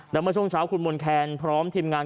และเมื่อช่วงเช้าคุณมนต์แคนพร้อมทีมงาน